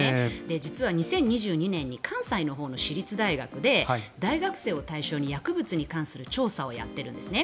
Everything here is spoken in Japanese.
実は２０２２年に関西のほうの私立大学で大学生を対象に薬物に関する調査をやっているんですね。